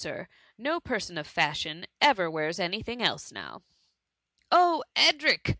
Sir, — no person of fashion ever wears any thing else now .''" Oh, Edric